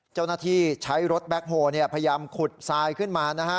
เจ้าหน้าที่ใช้รถแบ็คโฮลพยายามขุดทรายขึ้นมานะฮะ